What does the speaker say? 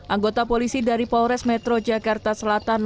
anggota polisi dari polres metro jakarta selatan